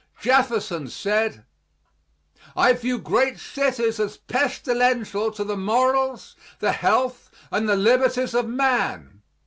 Jefferson said, "I view great cities as pestilential to the morals, the health, and the liberties of man.